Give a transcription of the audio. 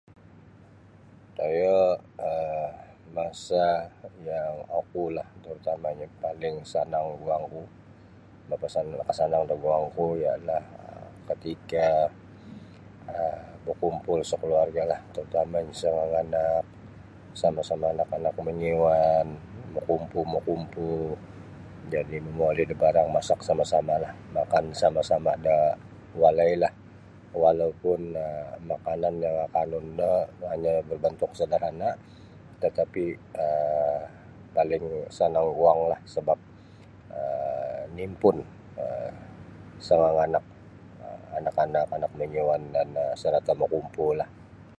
Toyo um masa yang okulah tarutamanyo paling sanang guangku mapasanang nakasanang da guangku ialah katika um bakumpul sakaluargalah tarutamanyo sanganganak sama-sama anak-anak mangiyuan makumpu-makumpu jadi' momoli da barang masak sama'-samalah makan sama'-sama' da walailah walaupun makanan yang akanun no hanya berbentuk sederhana' tatapi' um paling sanang guanglah sebap um niimpun um sanganganak anak-anak anak mangiyuan sarata' makumpulah.